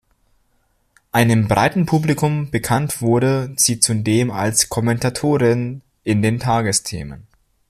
Einem breiten Publikum bekannt wurde sie zudem als Kommentatorin in den Tagesthemen.